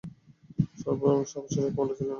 সব অশ্বারোহীর কমান্ডার ছিল আমর ইবনুল আস।